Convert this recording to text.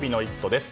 です。